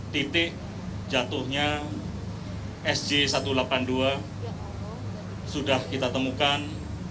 titik jatuhnya sj satu ratus delapan puluh dua sudah kita temukan